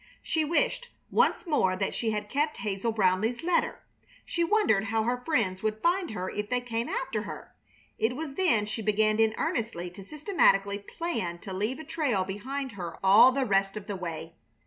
She wished once more that she had kept Hazel Brownleigh's letter. She wondered how her friends would find her if they came after her. It was then she began in earnest to systematically plan to leave a trail behind her all the rest of the way.